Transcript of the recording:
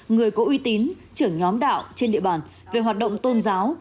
người có uy tín trưởng nhóm đạo trên địa bàn về hoạt động tôn giáo